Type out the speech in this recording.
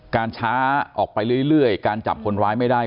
การช้าออกไปเรื่อยการจับคนร้ายไม่ได้